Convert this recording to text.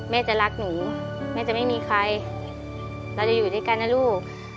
แม่จะรักหนูแม่จะไม่มีใครเราจะอยู่ด้วยกันนะลูก